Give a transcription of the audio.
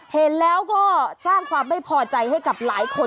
เห็นแล้วก็สร้างความไม่พอใจให้กับหลายคน